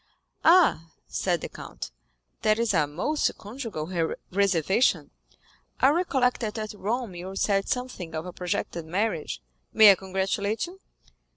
"Ah," said the count, "that is a most conjugal reservation; I recollect that at Rome you said something of a projected marriage. May I congratulate you?"